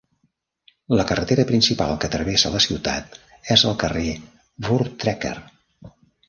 La carretera principal que travessa la ciutat és el carrer Voortrekker.